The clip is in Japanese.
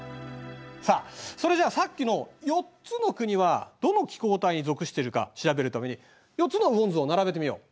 さあそれじゃあさっきの４つの国はどの気候帯に属しているか調べるために４つの雨温図を並べてみよう。